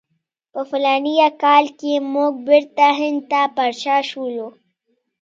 په فلاني کال کې موږ بیرته هند ته پر شا شولو.